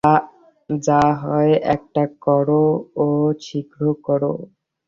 যা হয় একটা করো ও শীঘ্র করো।